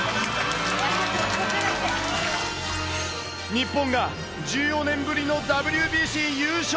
日本が１４年ぶりのＷＢＣ優勝。